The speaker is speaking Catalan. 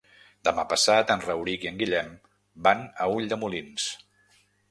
Demà passat en Rauric i en Guillem van a Ulldemolins.